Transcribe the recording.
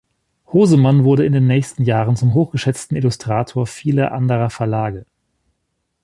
Hosemann wurde in den nächsten Jahren zum hochgeschätzten Illustrator vieler anderer Verlage.